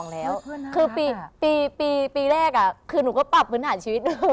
แล้วคือปีล่ะคือนู้ก็ปรับภื้นหาชีวิต